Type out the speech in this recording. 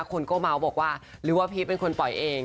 คนก็เมาส์บอกว่าหรือว่าพีชเป็นคนปล่อยเอง